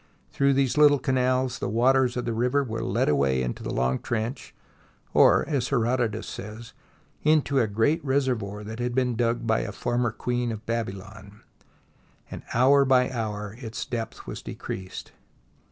Through these little canals the waters of the river were led away into the long trench or, as Herodotus says, into a great reservoir that had been dug by a former queen of Babylon, and hour by hour its THE SIEGE OF BABYLON depth was decreased.